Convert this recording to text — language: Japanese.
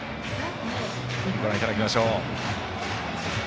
ご覧いただきましょう。